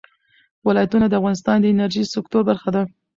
ولایتونه د افغانستان د انرژۍ سکتور برخه ده.